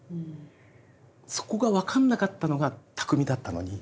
そこが分かんなかったのが匠だったのに。